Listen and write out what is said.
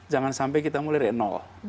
jangan sampai kita mulai dari nol